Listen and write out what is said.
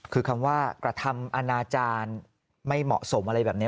คือคำว่ากระทำอนาจารย์ไม่เหมาะสมอะไรแบบนี้